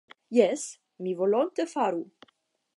Jes, mi volonte faru.